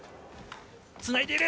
つないでいる。